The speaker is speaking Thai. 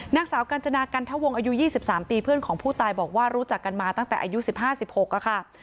นางสาวกัญจนากันทะวงอายุ๒๓ปีเพื่อนของผู้ตายบอกว่ารู้จักกันมาตั้งแต่อายุ๑๕๑๖ค่ะ